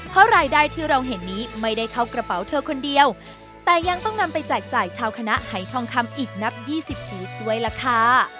เพราะรายได้ที่เราเห็นนี้ไม่ได้เข้ากระเป๋าเธอคนเดียวแต่ยังต้องนำไปแจกจ่ายชาวคณะหายทองคำอีกนับ๒๐ชีวิตด้วยล่ะค่ะ